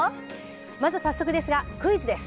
まず早速ですがクイズです。